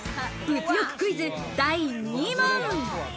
物欲クイズ、第２問。